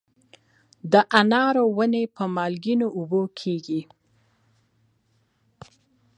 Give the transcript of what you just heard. د انارو ونې په مالګینو اوبو کیږي؟